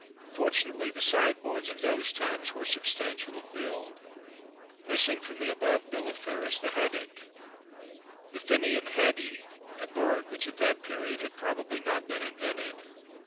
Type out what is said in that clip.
Fortunately the sideboards of those times were substantial of build. Missing from the above bill of fare is the haddock, The Fin'an Haddie, a bird which at that period had probably not been invented.